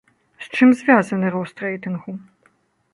З чым звязаны рост рэйтынгу?